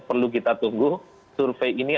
perlu kita tunggu survei ini